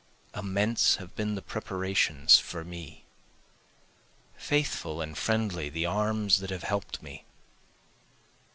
Immense have been the preparations for me, Faithful and friendly the arms that have help'd me.